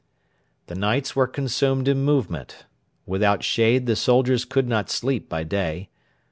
The nights were consumed in movement. Without shade the soldiers could not sleep by day.